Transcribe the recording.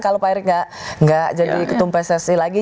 kalau pak erick nggak jadi ketum pssi lagi